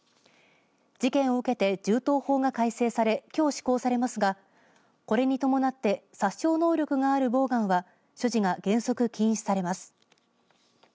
事件を受けて銃刀法が改正されきょう施行されますがこれに伴って殺傷能力があるボーガンは所持が原則禁止されます。